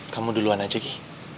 kamu duluan aja gi